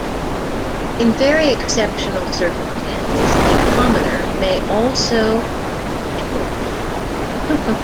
In very exceptional circumstances a commoner may also admitted.